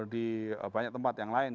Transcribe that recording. di banyak tempat yang lain